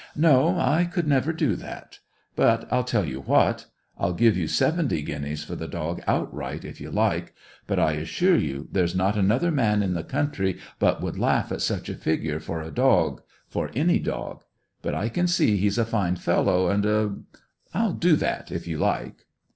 No; I could never do that. But, I'll tell you what; I'll give you seventy guineas for the dog outright, if you like; but I assure you there's not another man in the country but would laugh at such a figure for a dog, for any dog. But I can see he's a fine fellow, and er I'll do that, if you like."